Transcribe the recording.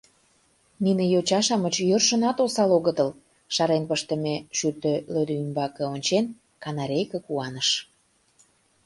— Нине йоча-шамыч йӧршынат осал огытыл, — шарен пыштыме шӱртӧ лӧдӧ ӱмбаке ончен, канарейке куаныш.